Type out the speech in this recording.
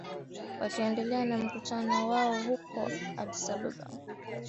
wakiendelea na mkutano wao huko addis ababa